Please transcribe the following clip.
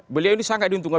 beliau ini sangat diuntungkan